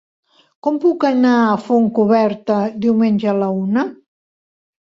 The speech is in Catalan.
Com puc anar a Fontcoberta diumenge a la una?